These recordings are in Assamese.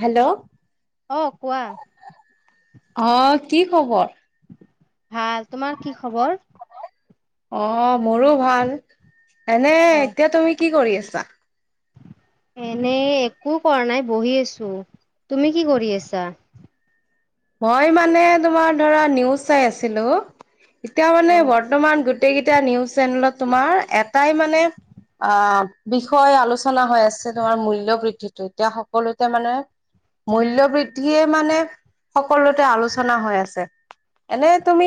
হেল্ল'। অ' কোৱা। অ কি খবৰ। ভাল তোমাৰ কি খবৰ। অ। মোৰো ভাল এনে অ এতিয়া তুমি কি কৰি আছা। ছা। এনে একো কৰা নাই বহি আছোঁ তুমি কি কৰি আছা। মই মানে তোমাৰ ধৰা নিউজ চাই আছিলোঁ। এতিয়া মানে বৰ্তমান গ। গোটেইকেইটা নিউজ চেনেলত তোমাৰ এটাই মানে আহ বিষয় আলোচনা হৈ আছে তোমাৰ মূল্য বৃদ্ধিটো এতিয়া সকলোতে মানে মূল্য বৃদ্ধিয়ে মানে। সকলোতে আলোচনা হৈ আছে এনে তুমি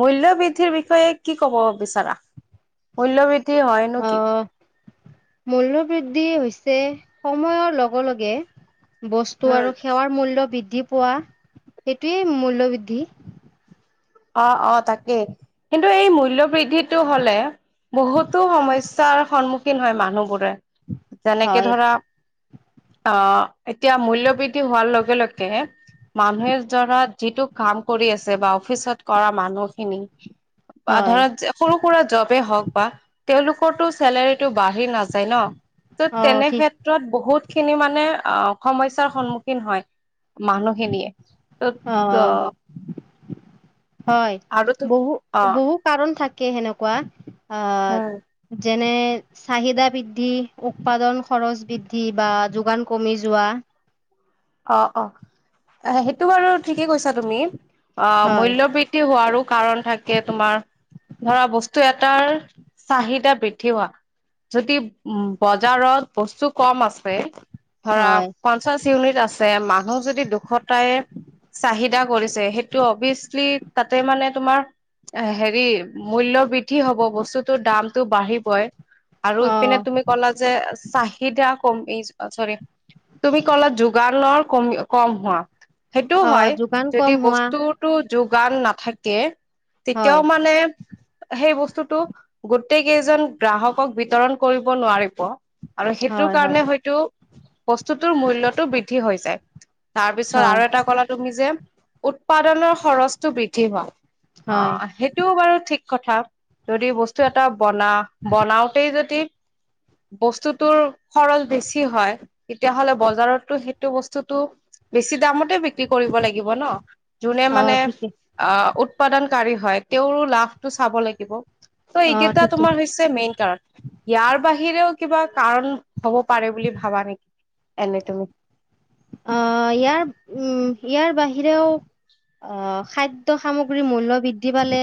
মূল্যয় বৃদ্ধিৰ বিষয়ে কি কব বিচাৰা মূল্্যবৃদ্ধি হয় নোকি মূল্যবৃদ্ধি হৈছে সময়ৰ লগে লগে বস্তু উম। আৰু সেৱাৰ মূল্য বৃদ্ধি পোৱা সেইটোৱেই মূল্য বৃদ্ধি অ অ তাকেই কিন্তু এই মূল্্য বৃদ্ধিটো হলে বহুতো সমস্যা চাৰ সন্মুখীন হয় মানুহবোৰে যেনেকে হয় ধৰা অ', এতিয়া মূল্যবৃদ্ধি হোৱাৰ লগে লগে, মানুহে দাৰা যিটো কাম কৰি আছে বা অফিচত অ', মানুহখিনি বা হয় ধৰা, সৰু-সুৰা জবেই হওক বা, তেওঁলোক ক'তো চেলাৰীটো বাঢ়ি নায যায় ন' ত' অ তেনে ঠিক ক্ষেত্ৰত বহুত খিনি মানে অ', সমস্যাৰ সন্মুখীন হয় মানুহখিনিয়ে। ত'ত অ'। হয়, বহু, বহু কাৰণ থাকে সেনেকুৱা। আহ উম। যেনে চাহিদা বৃদ্ধি, উৎপাদন খৰচ বৃদ্ধি বা যোগান কমি যোৱা। অ', অ', সেইটো বাৰু ঠিকেই কৈছা তুমি। অ', হয় মূল্য বৃদ্ধি হোৱাৰো কাৰণ থাকে তোমাৰ, ধৰা বস্তু এটাৰ চাহিদা বৃদ্ধি হোৱা যদি উম, বজাৰত বস্তু কম আছে ধৰা হয় পঞ্চাশ ইউনিট আছে। যে মানুহ যদি দুখত প্ৰায়ে চাহিদা কৰিছে, সেইটো অভিয়চলি তাতে মানে তোমাৰ হেৰি মূল্য বৃদ্ধি হ'ব বস্তুটোৰ দামটো বাঢ়িবই। আৰু অ ইপিনে তুমি ক'লা যে চাহিদা কম [unintelligible] চৰি, তুমি কলা ! ! ! ! ! ! ! ! ! ! কম হোৱা, সেইটো অ হয়, যোগান ‌ কম যদি হোৱা বস্তুটো যোগ ! ! ! ! ! ! ! ! ! ! নাথাকে তেতিয়াও হয় মানে সেই বস্তুতটো গোটেই কেইজন গ্ৰাহকক বিতৰণ কৰিব নোৱাৰিব। আৰু সেইটোৰ হয় হয় কাৰণে হয়তো বস্তুটোৰ মূল্যতটো বৃদ্ধি হৈ যায়। তাৰ পিছত হয় আৰু এটা ক'লা তুমি যে উৎপাদনৰ খৰচটো বৃদ্ধি হোৱা। হয় অ' সেইটোও বাৰু ঠিক কথা যদি বস্তু এটা বনা, বনাওতে যদি বস্তুটোৰ খৰচ বেছি হয়, তেতিয়াহ'লে বজাৰতো সেই বস্তুটো বেছি দামতে বি বিক্ৰী কৰিব লাগিব ন, যোনে অ মানে ঠিকে অ' উৎপাদনকাৰী হয় তেওঁৰো লাভটো চাব লাগিব। ত' অ এইকেইটা ঠিকে তোমাৰ হৈছে মেইন কাৰণ। ইয়াৰ বাহিৰেও কিবা কাৰণ হব পাৰে বুলি ভাবা নেকি এনে তুমি? আহ ইয়াৰ উম ইয়াৰ বাহিৰেও আহ খাদ্য সামগ্ৰীৰ মূল্য বৃদ্ধি পালে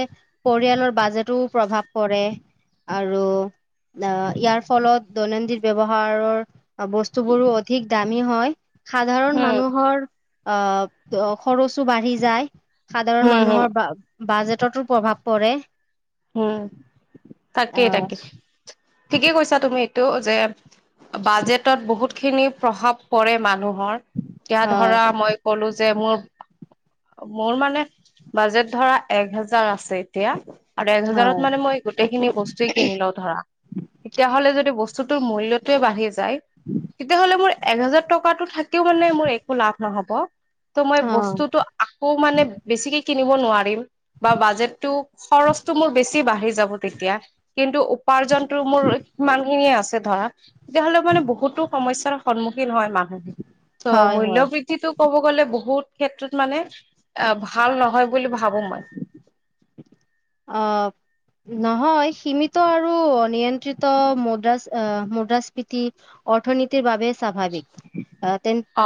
পৰিয়ালৰ বাজেটো প্ৰভাৱ পৰে, আৰু অ', ইয়াৰ ফলত দৈনন্দিন ব্যৱহাৰৰ অবস্তু বোৰো অধিক দামী হয়। সাধাৰণ হম মানুহৰ অহ, অ', খৰচো বাঢ়ি যায়। সাধাৰণ হম হম মানুহৰ বা বাজেটতো প্ৰভাৱ পৰে। উম, তাকেই আহ তাকে ঠিকেই কৈছা তুমি। তো যে বাজেটত বহুত খিনি প্ৰভাৱ পৰে মানুহ ধৰ তেতিয়া হয় ধৰা মই ক'লো যে মোৰ মোৰ মানে বাজেট ধৰা এক হেজাৰ আছে এতিয়া। আৰু এক হয় হজাৰত মানে মই গোটেই খিনি বস্তুয়ে কিনি লওঁ ধৰা তেতিয়া হ'লে যদি বস বস্তুটোৰ মূল্যটোৱে বাঢ়িছে। যায় তেতিয়াহ'লে মোৰ এক হোজাৰ টকাতো থাকিও মানে মোৰ একো লাভ নহ'ব। ত' মই অ', বস্তুটো আকৌ মানে বেছিকে নোৱাৰিম, বা বাজেটো খৰচটো মোৰ বেছি বাঢ়ি যাব তেতিয়া, কিন্তু উপাৰ্জনটো মোৰ সমান খিনিয়ে আছে ধৰা। তেতিয়াহ'লে মানে বহুতো সমস্যাৰ [unintelligible] হয় মানহ ত হয়, হয়। মূল্য বৃদ্ধিটো ক'ব গ'লে বহুত ক্ষেত্ৰত মানে এ ভাল নহয় বুলি ভাবো মই। অঊ নহয় সীমিত আৰু নিয়ন্ত্ৰিত মুদ্ৰাছ আহ মুদ্ৰা স্বাভাৱিক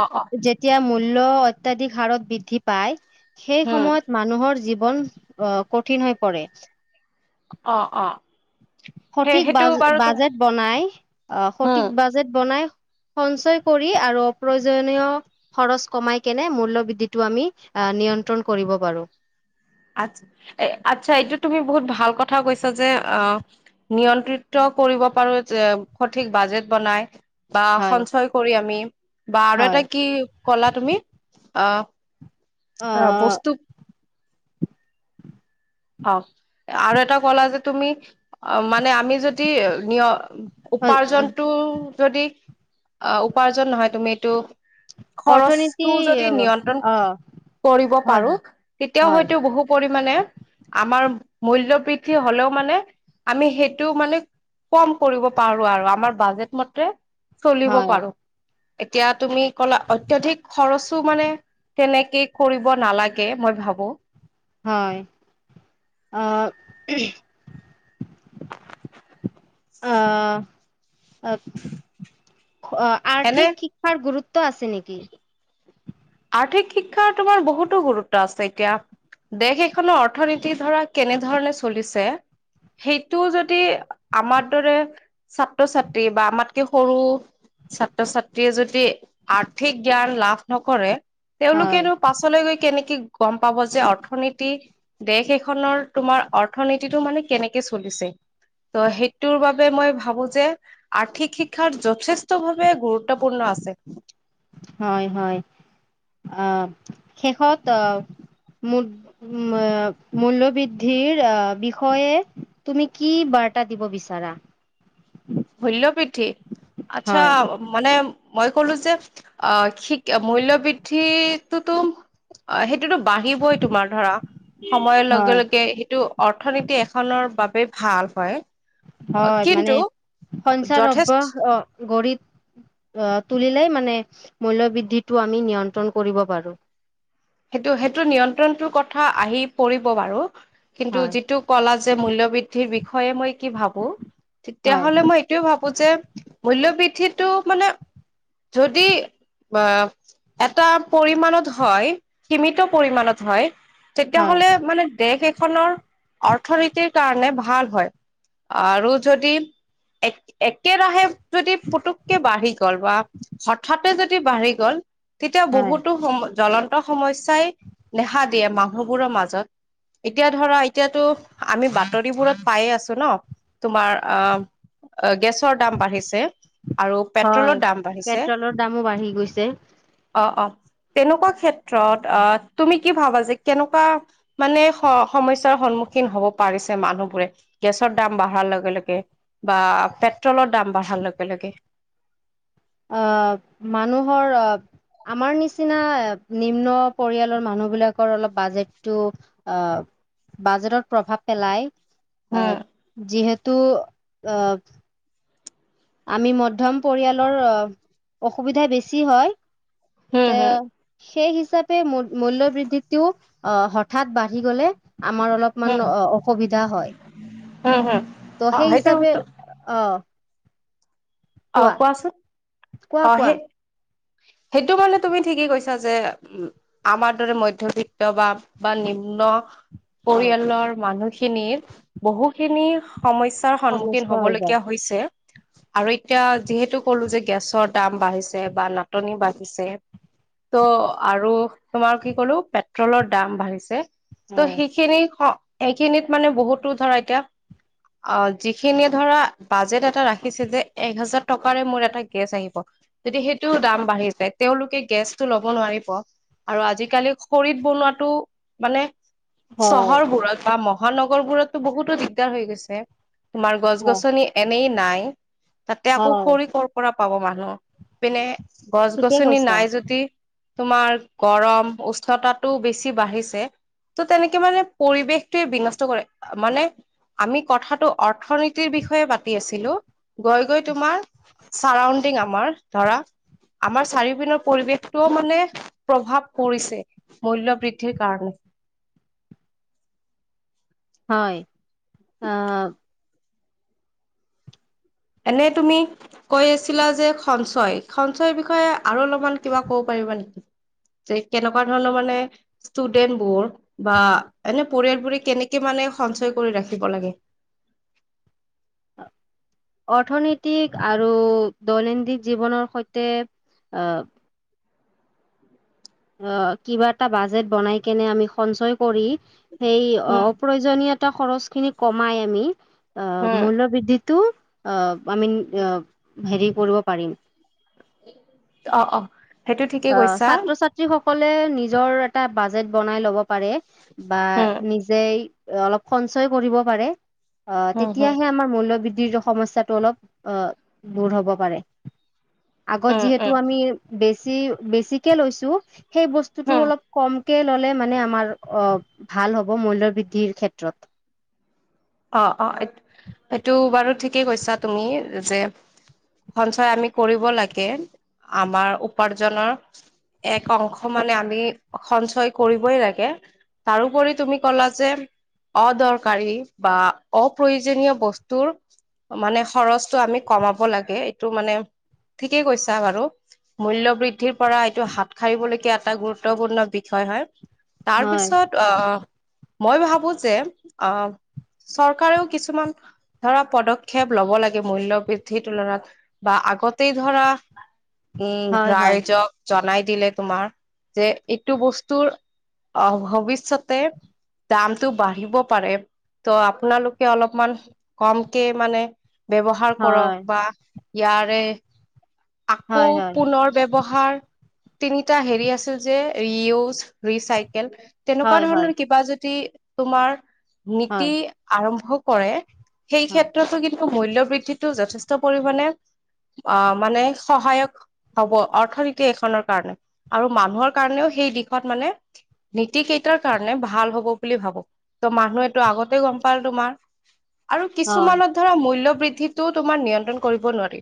অ', অ', যেতিয়া ম মূল্য অত্যাধিক হাৰত বৃদ্ধি পায় সেই উম, সময়ত মানুহৰ জীৱ কঠিন হয় পৰে অ' অ'। সেই সঠিক সেইটো বাজ বাৰু তো বাজেট বনাই, অ' উম। সঠিক বাজেট বনাই সঞ্চয় কৰি আৰু অপ্ৰয়োজনীয় খৰচ কমাই কেনে মূল্যবৃদ্ধিটো আমি নিয়ন্ত্ৰণ কৰিব পাৰোঁ। আ আচ্ছা এইটো তুমি বহুত ভাল কথা কৈছা যে আঁ নিয়ন্ত্ৰিত কৰিব পাৰো যে সঠিক বাজেট বনাই। বা হয়, সঞ্চয় কৰি আমি বা আৰু এটা হয়। কি ক'লা তুমি? অ'। অ', বস্তুক অ'। আৰু এটা ক'লা যে তুমি অ', মানে আমি যদি নিয় অ', উপাৰ্জনটো যদি অ', উপাৰ্জন নহয় তুমি এইটো অৰ্থনীতি খৰচটো যদি নিয়ন্ত্ৰণ অ', কৰিব হয়, পাৰোঁ তেতিয়াও হয়, হয়টো বহু পৰিমাণে আমাৰ মূল্য বৃদ্ধি হ'লেও মানে আমি সেইটো মানে কম কৰিব পাৰোঁ আৰু আমাৰ বাজেট মতে চলিব হয়, পাৰোঁ। এতিয়া তুমি ক'লা অত্যাধিক খৰচো মানে তেনেকেই কৰিব নালাগে মই ভাবো। হয়, অ'। অ'। অ', আৰ্থিক শিক্ষাৰ গুৰুত্ এনে ত' আছে নেকি। আৰ্থিক শিক্ষাৰ তোমাৰ বহুতো গুৰুত্ব আছে এতিয়া দেশ এখনৰ অৰ্থনীতিৰ ধৰা কেনেধৰণে চলিছে সেইটো যদি আমাৰ দৰে ছাত্ৰ-ছাত্ৰী বা আমাতকে সৰু ছাত্ৰ-ছাত্ৰীয়ে যদি আৰ্থিক জ্ঞান লাভ নকৰে হয়, তেওঁলোকেনো পাছলৈ গৈ কেনেকে গম পাব যে অৰ্থনীতি, দেশ এখনৰ তোমাৰ অৰ্থনীতিটো মানে কেনেকে চলিছে। ত' সেইটোৰ বাবে মই ভাবো যে আৰ্থিক শিক্ষাত যথেষ্ট ভাৱে গুৰুত্বপূৰ্ণ আছে। হয়, হয়, অ', শেষত অ', মূল্যবৃদ্ধিৰ আহ বিষয়ে তুমি কি বাৰ্তা দিব বিচাৰা? মূল্যবৃদ্ধি। আচ্ছা হয়, মানে মই কলো যে অ', সি মূল্য বৃদ্ধিটোতো সেই [unintelligible] বাঢ়িবই তোমাৰ ধৰা, সময়ৰ লগে হয়, লগে সেইটো অৰ্থনীতি এখনৰ বাবে ভাল হয়। কিন্তু যথেষ্ট [unintelligible] তুলিলে মানে [unintelligible] মূল্য বৃদ্ধিটো আমি নিয়ন্ত্ৰণ কৰিব পাৰো। সেইটো-সেইটো নিয়ন্ত্ৰণটোৰ কথা আহি পৰিব বাৰু। কিন্তু হয়, যিটো কলা যে মূল্য বৃদ্ধিৰ বিষয়ে মই কি ভাবো হয়, তেতিয়াহ'লে মই এইটোয়ে ভাবো যে মূল্যবৃদ্ধিত। এইটো মানে যদি আ এটা পৰিমণত হয়। সীমিত পৰিমণত হয়। হয়, তেতিয়াহ'লে মানে দেশ এক খনৰ অৰ্থনীতিৰ কাৰণে ভাল হয় আৰু যদি এক একেৰাহে যদি পুতুককে বাঢ়ি গ'ল বা হঠাৎ যদি বাঢ়ি গ'ল তেতিয়া হয়। বহুতো সময় জ্বলন ত সমস্যাই দেহা দিয়ে মানুহবোৰৰ মাজত এতিয়া ধৰা এতিয়াতো আমি বাতৰিবোৰত পায়ে আছো ন তোমাৰ আহ গেছৰ দাম বাঢ়িছে। আৰু হয় পেট্ৰলৰ দাম বাঢ়িছে পেট্ৰলৰ দামো বাঢ়ি গৈছে। অ', অ তেনেকুৱা ক্ষেত ক্ষেত্ৰত আহ তুমি কি ভাবা যে কেনেকুৱা মানে স সমস্যাৰ সন্মুখীন হব পাৰিছে মানুহবোৰে গেছৰ দাম বাঢ়াৰ লগে লগে বা পেট্ৰলৰ দাম বাঢ়াৰ লগে লগে। আহ মানুহৰ আহ আমাৰ নিচিনা নিম্ন পৰিয়ালৰ মানুহ বিলাকৰ অলপ বাজেটটো আহ বাজেটত প্ৰভাৱ পেলাই। হম, আহ যিহেতু। অ। আমি মধ্যম পৰিয়ালৰ অসুবিধা বেছি হয়। হম, তে হম, সেইহি হিচাপে মূ--মূল্য বৃদ্ধিটো আহ হঠাৎ বাঢ়ি গলে আমাৰ অলপমান হম, অ অসুবিধা হয়। হম হম ত' অ', সেই সেইটো হিচাপে অ। অ' কোৱা কোৱাচোন। কোৱা অ' কোৱা সেই, সেইটো মানে তুমি ঠিকেই কৈছা। যে আমাৰ দৰে মধ্যবিত্ত বা বা নিম্ন। হয় পৰিয়ালৰ মানুহখি খিনিৰ বহুত খিনি সমস্যাৰ সন্মুখীন সমস্যা হৈ যায় হ'বলগীয়া হৈছে। আৰু এতিয়া যিহেতু ক'লো যে গেছ ৰ দাম বাঢ়িছে বা নাটনি বাঢ়িছে ত' আৰু তোমাৰ কি ক'লো পেট্ৰলৰ দাম বাঢ়িছে ত' হয় সেইখিনি স এইখিনিত মানে বহুতো ধৰা এতিয়া, অ' যিখিনিয়ে ধৰা বাজেট এটা ৰাখিছে যে এক হাজাৰ টকাৰে মোৰ এটা গেছ আহিব, যদি সেইটো দাম বাঢ়ি যায় তেওঁলোকে গেছতটো ল'ব নোৱাৰিব আৰু আজিকালি খৰিত বনোৱাটো মানে হয় চহৰবোৰত বা মহ মহানগৰবোৰতটো বহুতো দিগদাৰ হৈ গৈছে। তোমাৰ গছ হয় গছনি এনেই নাই। তাতে আকৌ হয় খৰি কৰ তা পাব মানুহ পিনে ঠিকে গছ-গছনি কৈছা নাই যদি তোমাৰ গৰম উষ্ণতাটো বেছি বাঢ়িছে ত' তেনেকে মানে পৰিৱেশটোৱে বিনষ্ট কৰে মানে আমি কথাটো অৰ্থনীতিৰ বিষয়ে পাতি আছিলো গৈ গৈ তোমাৰ চাৰাউণ্ডিং আমাৰ ধৰা আমাৰ চাৰিওপিনৰ পৰিৱেশটোও মানে প্ৰভাৱ পৰিছে মূল্যবৃদ্ধিৰ কাৰণে। হয়, অ'। এনে তুমি কৈ আছিলা যে সঞ্চয়, সঞ্চয়ৰ বিষয়ে আৰু অলপমান কিবা ক'ব পাৰিবা নেকি যে কেনেকুৱা ধৰণৰ মানে ষ্টুডেন্টবোৰ বা এনে পৰিয়ালবোৰে কেনেকে মানে সঞ্চয় কৰি ৰাখিব লাগে। অৰ্থনৈতিক আৰু দৈনন্দিন জীৱনৰ সৈতে অ' অ', কিবা এটা বাজেট বনাই কেনে আমি সঞ্চয় কৰি সেই উম, অপ্ৰয়োজনীয়তা খৰচ খিনি কমাই আমি অ', উম, মূল্যবৃদ্ধিত তো অ'। আমিন য় হেৰি কৰিব পাৰিম। অ', অ', সেইটো ঠিকেই অ', কৈছা। ছাত্ৰ-ছাত্ৰীসক সকলে নিজৰ এটা বাজেট বনাই ল'ব। পাৰে বা উম, নিজেই অলপ সঞ্চয় কৰিব পাৰে। অ' উম, হম, তেতিয়াহে আমাৰ মূল্যবৃদ্ধিৰ সমস্যাটো অলপ অ' দূৰ হ'ব পাৰে। আগত উম, উম, যিহেতু আমি বেছি চি বেছিকে লৈছোঁ সেই বস্তুটো হম, অলপ কম কে ল'লে মানে আমাৰ অ' ভাল হ'ব মূল্য বৃদ্ধিৰ ক্ষেত্ৰত। অ' অ' এইটো বাৰু ঠিকেই কৈছা তুমি, যে সঞ্চয় আমি কৰিব লাগে, আমাৰ উপাৰ্জনৰ এক অংশ মানে আমি সঞ্চয় কৰিবই লাগে তাৰোপৰি তুমি কলা যে অদৰকাৰী বা অপ্ৰয়োজনীয় বস্তুৰ মানে খৰচটো আমি কমাব লাগে এইটো মানে ঠিকেই কৈছা বাৰু মূল্য় বৃদ্ধিৰ পৰা এইটো হাত সাৰিবলৈকীয়া এটা গুৰুত্বপূৰ্ণ বিষয় হয়। তাৰ হয় পিছত আহ মই ভাবো যে অ' চৰকাৰেও কিছুমান ধৰা পদক্ষেপ লব লাগে মূল্য় বৃদ্ধিৰ তুলনাত বা আগতেই ধৰা উম হয় হয় ৰাইজক জনাই দিলে তোমাৰ, যে, এইটো বস্তুৰ অ' ভৱিষ্যতে দামতটো বাঢ়িব পাৰে। ত' আপোনালোকে অলপমান কমকে মানে ব্যৱহাৰ কৰক হয় বা ইয়াৰে আকৌ হয় হয় পুনৰ ব্যৱহাৰ তিনিটা হেৰি আছিল যে, ৰিয়জ, ৰিচাই [unintelligible] তেনেকুৱা হয় ধৰণৰ কিবা যদি তোমাৰ হয় [unintelligible] আৰম্ভ কৰে। হয় সেইক্ষেত্ৰতো কিন্তু মূল্যবৃদ্ধিটো যথেষ্ট পৰিমণে, আহ, মানে সহায়ক হব অৰ্থনীতি এখনৰ কাৰণে। আৰু মানুহৰ কাৰণেও সেই দিশত মানে নীতি কেইটাৰ কাৰণে ভাল হব বুলি ভাবো ত' মানুহে [unintelligible] আগতে গম পাল তোমাৰ আৰু হয় কিছুমানত ধৰা মূল্য বৃদ্ধিটো তোমাৰ নিয়ন্ত্ৰণ কৰিব নোৱাৰি,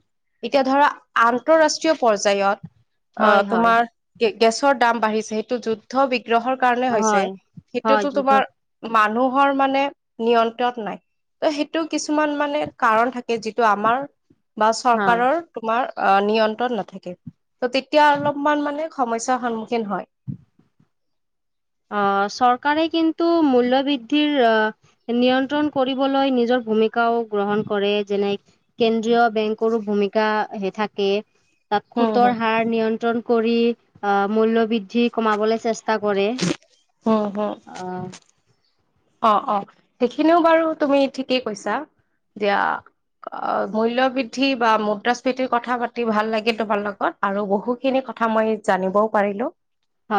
এতিয়া ধৰা আন্তৰাষ্ট্ৰীয় পৰ্যায়ত হয় অ', হয় তোমাৰ কি গেছৰ দাম বাঢ়িছে, সেইটো যুদ্ধ বি গ্ৰহৰ কাৰণে হৈছে, হয় হয় সেইটোতো যুদ্ধ তোমাৰ মানুহ [unintelligible] মানে নিয়ন্ত্ৰণ নাই, ত সেইটো কিছুমান মানে কাৰণ থাকে যিটো আমাৰ বা হয় চৰকাৰৰ তোমাৰ অ', নিয়ন্ত্ৰণ নাথাকে। ত', তেতিয়া অলপমান মানে সমস্যাৰ সন্মুখীন হয়। আহ, চৰকাৰে কিন্তু মূল্যবৃদ্ধিৰ আহ, নিয়ন্ত্ৰণ কৰিবলৈ নিজৰ ভূমিকাও গ্ৰহণ কৰে, যেনে কেন্দ্ৰীয় বেংকৰো ভূমিকা থাকে। তাত হম সুতৰ হম হাৰ নিয়ন্ত্ৰণ কৰি মূল্য বৃদ্ধি কমাবলৈ চেচ টা কৰে। উম, হম, অ', অ'। সেইখিনিও বাৰু তুমি ঠিকেই কৈছা দিয়া মূল্য বৃদ্ধি বা মুদ্ৰাস্ফীতিৰ কথা পাতি ভাল লাগিল তোমাৰ লগত আৰু বহুখিনি কথা মই জানিবও পাৰিলোঁ। আহ